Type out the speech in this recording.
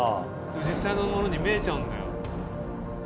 実際のものに見えちゃうんだよ。